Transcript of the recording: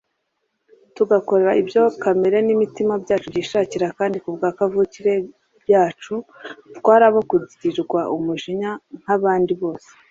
tugakora ibyo kamere n’imitima byacu byishakira kandi kubwa kavukire yacu twari abo kugirirwa umujinya nk’abandi bose”